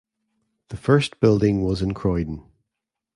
The first building was in Croydon.